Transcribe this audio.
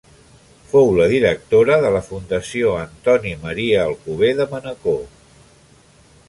Fou la directora de la Fundació Antoni Maria Alcover de Manacor.